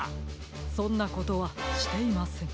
そんなことはしていません。